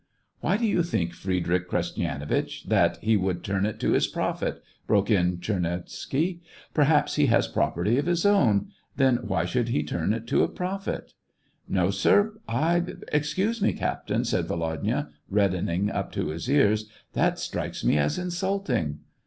" Why do you think, Friedrich Krestyanitch, that he would turn it to his profit ?" broke in Tchernovitzky. " Perhaps he has property of his own ; then why should he turn it to profit ?"" No, sir, I ... excuse me, captain," said Volodya, reddening up to his ears, " that strikes me as insulting."